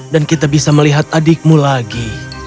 dan kita bisa melihat adikmu lagi